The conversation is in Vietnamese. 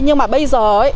nhưng mà bây giờ ấy